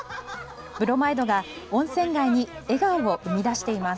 ブロマイドが温泉街に笑顔を生み出しています。